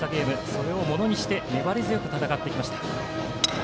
それをものにして粘り強く戦ってきました。